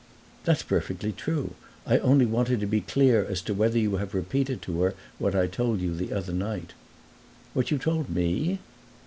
"That's perfectly true. I only wanted to be clear as to whether you have repeated to her what I told you the other night." "What you told me?"